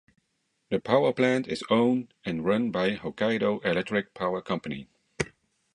The power plant is owned and run by Hokkaido Electric Power Company.